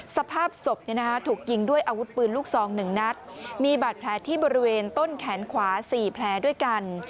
สภาพศพถูกยิงด้วยอาวุธปืนลูกซอง๑นัดมีบาดแผลที่บริเวณต้นแขนขวา๔แผลด้วยกัน